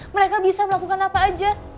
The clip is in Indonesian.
mereka bisa melakukan apa aja